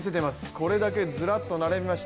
これだけずらっと並びました。